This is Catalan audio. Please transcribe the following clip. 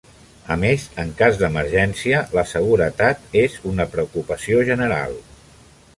A més, en cas d'emergència, la seguretat és una preocupació general.